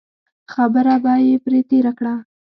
خبره به یې پرې تېره کړه.